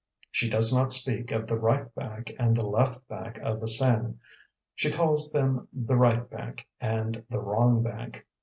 She does not speak of the "right bank" and the "left bank" of the Seine; she calls them the "right bank" and the "wrong bank."